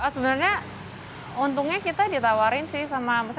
sebenarnya untungnya kita ditawarin sih sama